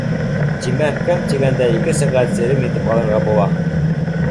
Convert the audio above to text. Тимәк, кәм тигәндә ике сәғәт серем итеп алырға була.